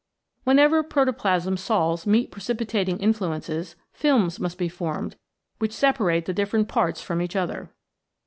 Wherever protoplasm sols meet precipitating in fluences, films must be formed, which separate the different parts from each other.